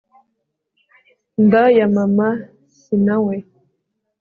nda ya mama si na we